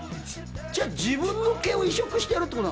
じゃあ自分の毛を移植してるってことなんですか？